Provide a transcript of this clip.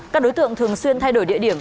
các đối tượng thường xuyên thay đổi địa điểm